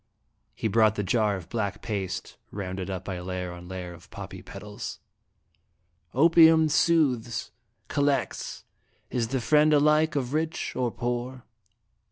He brought the jar of black paste, rounded up by layer on layer of poppy petals. " Opium soothes, collects, is the friend alike of rich or poor.